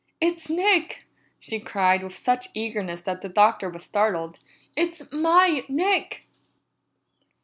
"It's Nick!" she cried with such eagerness that the Doctor was startled. "It's my Nick!"